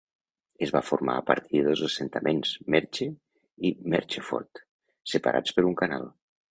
Es va formar a partir de dos assentaments: "Merche" i "Mercheford", separats per un canal.